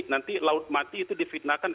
nanti laut mati itu difitnahkan